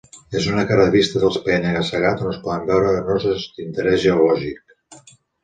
És una cara vista del penya-segat on es poden veure arenoses d'interès geològic.